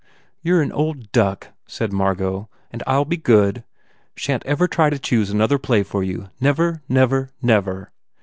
"You re an old duck," said Margot, "and I ll be good. Shan t ever try to choose another play for you never, never, never."